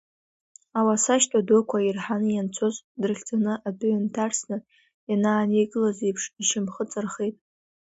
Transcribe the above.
Ауаса шьтәа дуқәа ирҳаны ианцоз, дрыхьӡаны атәыҩа нҭарсны ианааникылоз еиԥш ишьамхы ҵархеит.